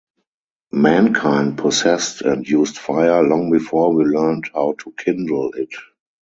Mankind possessed and used fire long before we learned how to kindle it.